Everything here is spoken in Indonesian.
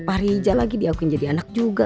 apalagi diakuin jadi anak juga